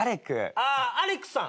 あっアレクさん。